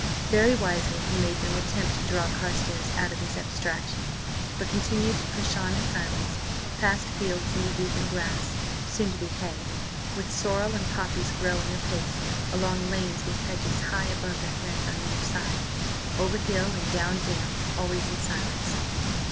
Very wisely he made no attempt to draw Carstares out of his abstraction, but continued to push on in silence, past fields knee deep in grass, soon to be hay, with sorrel and poppies growing apace, along lanes with hedges high above their heads on either side, over hill and down dale–always in silence.